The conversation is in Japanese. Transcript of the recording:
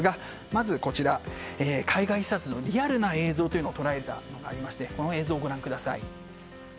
まず、海外視察のリアルな映像を捉えたものがありましてその映像をご覧ください。